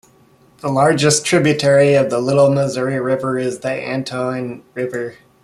The largest tributary of the Little Missouri River is the Antoine River.